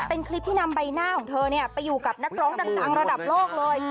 เป็นคลิปที่นำใบหน้าของเธอไปอยู่กับนักร้องดังระดับโลกเลย